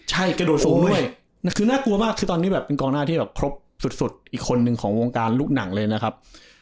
ใช่กระโดดทรงด้วยคือน่ากลัวมากคือตอนนี้แบบเป็นกองหน้าที่แบบครบสุดอีกคนนึงของวงการลูกหนังเลยนะครับ